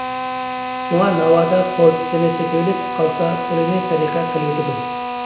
شۇڭا ناۋادا قوزىسىنى سېتىۋېتىپ قالسا پۇلىنى سەدىقە قىلىۋېتىدۇ.